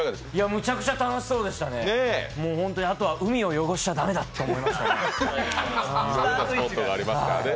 むちゃくちゃ楽しそうでしたね、あとは海を汚しちゃダメだ！って思いましたね。